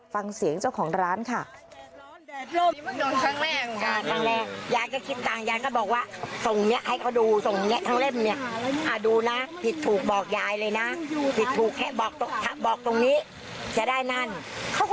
ฟังเสียงเจ้าของร้านค่ะ